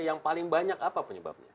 yang paling banyak apa penyebabnya